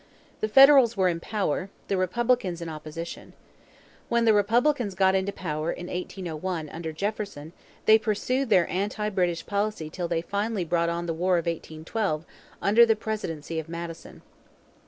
The Federals were in power, the Republicans in opposition. When the Republicans got into power in 1801 under Jefferson they pursued their anti British policy till they finally brought on the War of 1812 under the presidency of Madison.